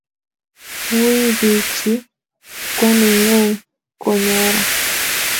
Wui pirchi kwaningung konyo ra